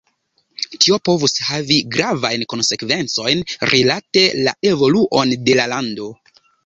Tio povus havi gravajn konsekvencojn rilate la evoluon de la lando.